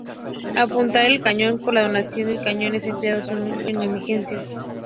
Apuntar el cañón por la dotación del cañón es empleado solo en emergencias.